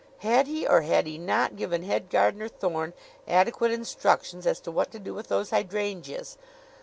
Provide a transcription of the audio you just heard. Had he or had he not given Head Gardener Thorne adequate instructions as to what to do with those hydrangeas?